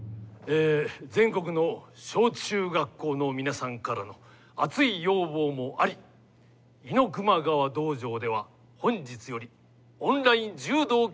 全国の小中学校の皆さんからの熱い要望もあり猪熊川道場では本日よりオンライン柔道教室を始めます。